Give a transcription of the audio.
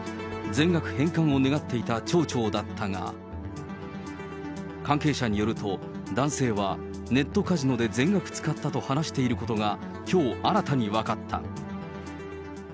全額返還を願っていた町長だったが、関係者によると、男性はネットカジノで全額使ったと話していることが、きょう新たに分かった。